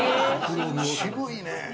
渋いね。